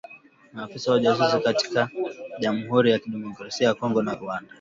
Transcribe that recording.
maafisa wa ujasusi kati ya jamhuri ya kidemokrasia ya Kongo na Rwanda